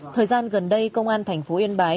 thời gian gần đây công an thành phố yên bái